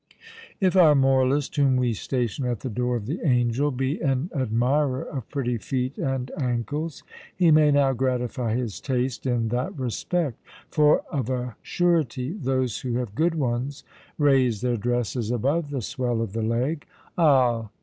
If our moralist, whom we station at the door of the Angel, be an admirer of pretty feet and ankles, he may now gratify his taste in that respect; for, of a surety, those who have good ones raise their dresses above the swell of the leg. Ah!